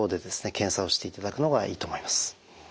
検査をしていただくのがいいと思います。